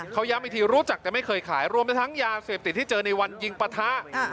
เขาย้ำอีกทีรู้จักแต่ไม่เคยขายรวมทั้งยาเสพติดที่เจอในวันยิงปะทะ